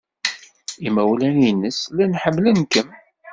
Imawlan-nnes llan ḥemmlen-kem.